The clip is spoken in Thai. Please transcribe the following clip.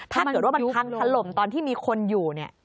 ถ้าเกิดว่ามันพังถล่มตอนที่มีคนอยู่เนี่ย